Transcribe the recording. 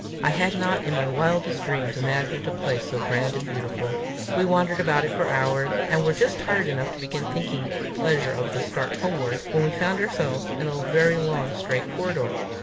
I had not, in my wildest dreams, imagined a place so grand and beautiful. We wandered about it for hours, and were just tired enough to begin thinking with pleasure of the start homeward, when we found ourselves in a very long, straight corridor.